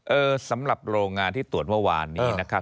สำหรับโรงงานที่ตรวจเมื่อวานนี้นะครับ